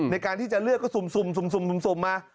ในการที่จะเลือกก็สุ่มมา